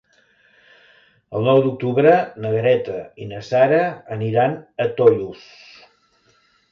El nou d'octubre na Greta i na Sara aniran a Tollos.